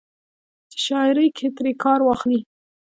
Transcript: چې شاعرۍ کښې ترې کار واخلي